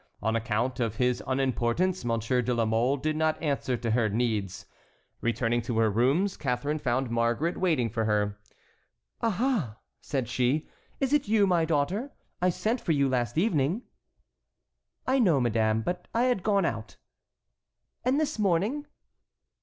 On account of his unimportance, Monsieur de la Mole did not answer to her needs. Returning to her rooms, Catharine found Marguerite waiting for her. "Ah! ah!" said she, "is it you, my daughter? I sent for you last evening." "I know it, madame, but I had gone out." "And this morning?"